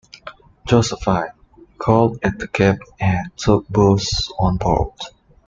"Josephine" called at the Cape and took Boos on board.